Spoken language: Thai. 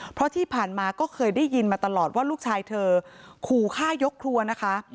เพราะที่ผ่านมาก็เคยได้ยินมาตลอดว่าลูกชายเธอขู่ฆ่ายกครัวนะคะ